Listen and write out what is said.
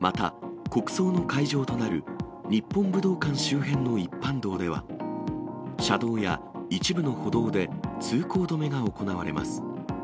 また、国葬の会場となる日本武道館周辺の一般道では、車道や一部の歩道で通行止めが行われます。